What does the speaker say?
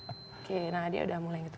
oke nah dia udah mulai gitu